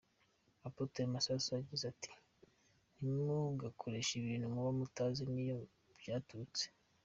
Apotre Masasu yagize ati “Ntimugakoreshe ibintu muba mutazi n’iyo byaturutse.